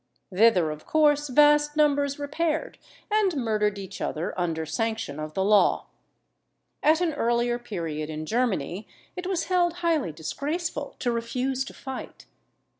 Thither of course, vast numbers repaired, and murdered each other under sanction of the law. At an earlier period in Germany, it was held highly disgraceful to refuse to fight.